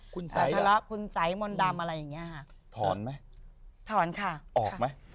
คุณใส่ละคุณใสมนต์ดำอะไรอย่างเงี้ยฮะถอนไหมถอนค่ะออกไหม